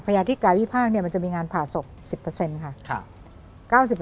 ยาธิกายวิพากษ์มันจะมีงานผ่าศพ๑๐ค่ะ